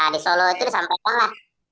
di solo itu disampaikanlah